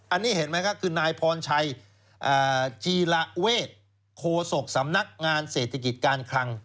อันนี้เห็นไหมครับคือนายพรชัยจีระเวทโคศกสำนักงานเศรษฐกิจการคลัง